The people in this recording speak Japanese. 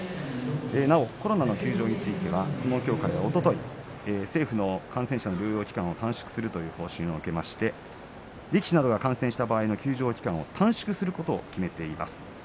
コロナの休場につきましては相撲協会ではおととい政府の感染者の療養期間を短縮するという方針を受けまして力士などが感染した場合の休場期間を短縮することを決めています。